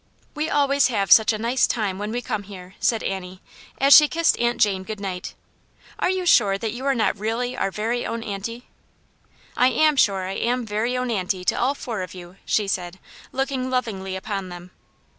" We always have such a nice time when we come here !" said Annie, as she kissed Aunt Jane good night. "Are you sure that you are not really our very own aunty?" " I am sure I am very own aunty to all four of you," she said, looking lovingly upon them.